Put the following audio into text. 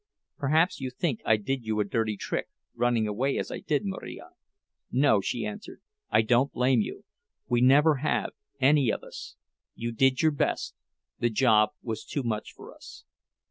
Perhaps you think I did you a dirty trick running away as I did, Marija—" "No," she answered, "I don't blame you. We never have—any of us. You did your best—the job was too much for us."